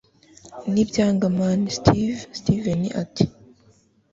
nibyanga mn steve steven ati